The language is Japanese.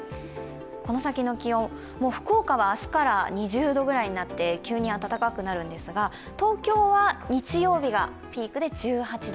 この先の気温、福岡は明日から２０度ぐらいになって急に暖かくなるんですが、東京は日曜日がピークで１８度。